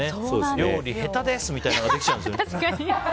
料理下手ですみたいなのができちゃうんですよね。